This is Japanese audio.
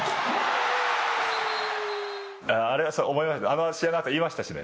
あの試合のあと言いましたしね。